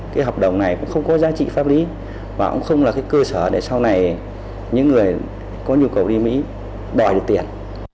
cái hợp đồng này cũng không có giá trị pháp lý và cũng không là cái cơ sở để sau này những người có nhu cầu đi mỹ đòi được tiền